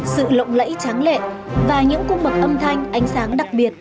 sự lộng lẫy tráng lệ và những cung bậc âm thanh ánh sáng đặc biệt